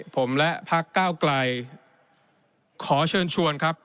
ผมและพักก้าวไกลขอเชิญชวนครับ